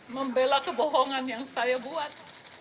membela kebohongan yang saya buat